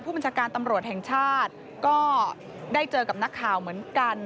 บัญชาการตำรวจแห่งชาติก็ได้เจอกับนักข่าวเหมือนกัน